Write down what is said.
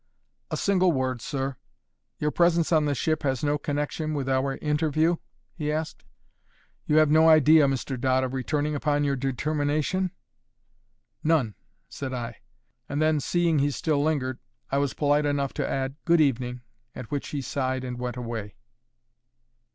"A single word, sir. Your presence on this ship has no connection with our interview?" he asked. "You have no idea, Mr. Dodd, of returning upon your determination?" "None," said I; and then, seeing he still lingered, I was polite enough to add "Good evening;" at which he sighed and went away.